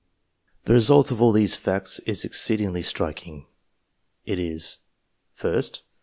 The result of all these facts is exceedingly striking It is : 1st.